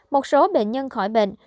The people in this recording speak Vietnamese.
một số bệnh nhân khỏi bệnh